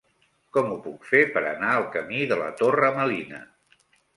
Com ho puc fer per anar al camí de la Torre Melina?